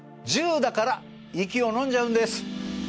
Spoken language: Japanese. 「１０」だから息をのんじゃうんです。